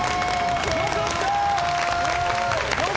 よかった！